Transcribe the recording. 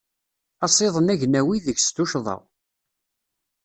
Asiḍen agnawi degs tuccḍa.